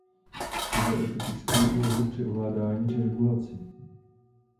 Jde o typickou úlohu při ovládání či regulaci.